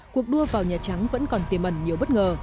cuộc đua vào nhà trắng vẫn còn tiềm ẩn nhiều bất ngờ